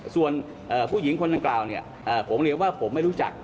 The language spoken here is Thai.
ส่วนผู้หญิงคนดังกล่าวเนี่ยผมเรียกว่าผมไม่รู้จัก